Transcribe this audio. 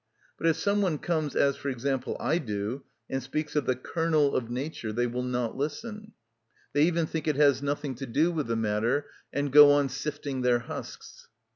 But if some one comes, as, for example, I do, and speaks of the kernel of nature, they will not listen; they even think it has nothing to do with the matter, and go on sifting their husks.